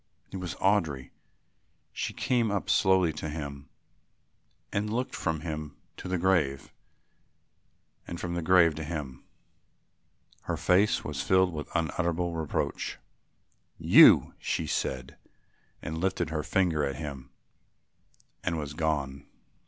It was Audry. She came slowly up to him and looked from him to the grave and from the grave to him. Her face was filled with unutterable reproach. "You," she said, and lifted her finger at him and was gone.